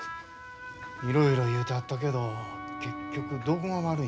いろいろ言うてはったけど結局どこが悪いんや。